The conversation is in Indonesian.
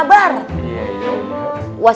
wa assalamualaikum warahmatullahi wabarakatuh